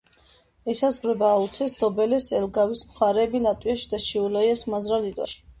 ესაზღვრება აუცეს, დობელეს, ელგავის მხარეები ლატვიაში და შიაულიაის მაზრა ლიტვაში.